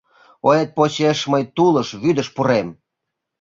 Оет почеш мый тулыш, вӱдыш пӱрем.